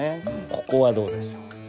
ここはどうでしょ？